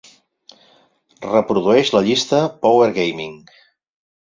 Reprodueix la llista "Power Gaming".